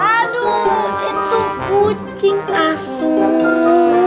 aduh itu kucing asun